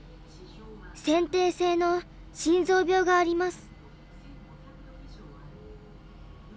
先天性の心臓病があります。